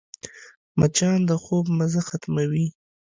مچان د خوب مزه ختموي